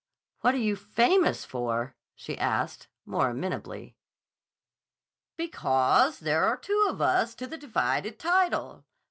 "What are you famous for?" she asked, more amenably. "Because there are two of us to the divided title.